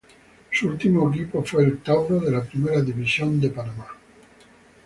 Su último equipo fue el Tauro de la Primera División de Panamá.